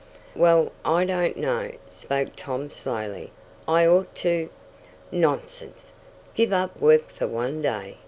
"Well, I don't know," spoke Tom slowly. "I ought to " "Nonsense! Give up work for one day!"